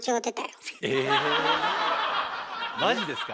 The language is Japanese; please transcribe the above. マジですか？